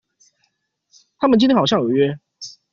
他們今天好像有約